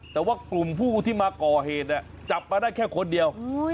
แต่ว่ากลุ่มผู้ที่มาก่อเหตุเนี่ยจับมาได้แค่คนเดียว